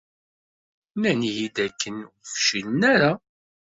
Nnan-iyi-d dakken ur fcilen ara.